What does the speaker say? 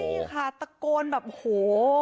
นี่ค่ะตะโกนแบบโห